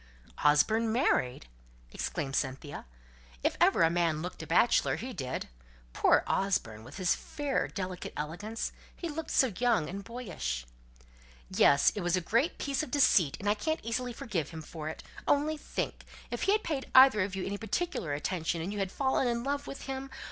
"Osborne married!" exclaimed Cynthia. "If ever a man looked a bachelor, he did. Poor Osborne! with his fair delicate elegance, he looked so young and boyish!" "Yes! it was a great piece of deceit, and I can't easily forgive him for it. Only think! If he had paid either of you any particular attention, and you had fallen in love with him!